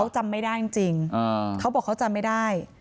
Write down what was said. จำไม่ได้จริงเขาบอกเขาจำไม่ได้